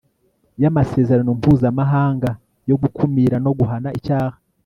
y Amasezerano Mpuzamahanga yo Gukumira no Guhana icyaha